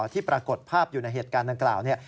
ปรากฏภาพอยู่ในเหตุการณ์ดังกล่าว